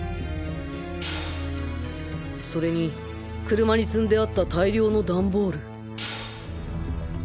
それに車に積んであった大量のダンボール